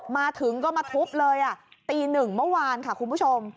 มาถึงก็มาทุบเลยตีหนึ่งเมื่อวานค่ะคุณผู้ชม